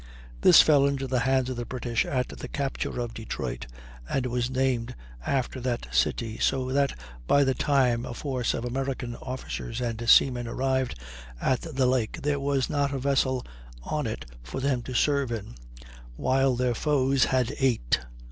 This fell into the hands of the British at the capture of Detroit, and was named after that city, so that by the time a force of American officers and seamen arrived at the lake there was not a vessel on it for them to serve in, while their foes had eight.